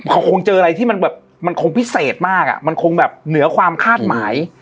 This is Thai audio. เขาคงเจออะไรที่มันแบบมันคงพิเศษมากอ่ะมันคงแบบเหนือความคาดหมาย